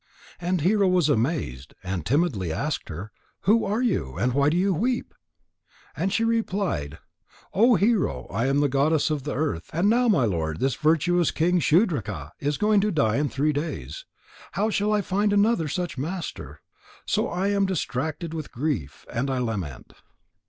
And Hero was amazed, and timidly asked her: "Who are you, and why do you weep?" And she replied: "O Hero, I am the Goddess of the Earth, and now my lord, this virtuous King Shudraka, is going to die in three days. How shall I find another such master? So I am distracted with grief, and I lament."